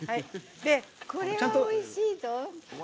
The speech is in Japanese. これはおいしいぞ。